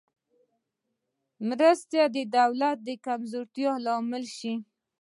مرستې د دولت د کمزورتیا لامل شوې.